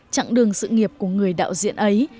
chặng đường sự nghiệp của người đạo diễn ấy